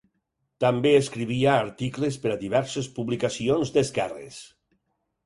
També escrivia articles per a diverses publicacions d'esquerres.